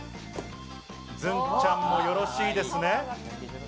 ズンちゃんもよろしいですね？